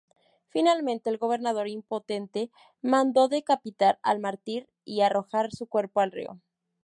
Finalmente el gobernador, impotente, mandó decapitar al mártir y arrojar su cuerpo al río.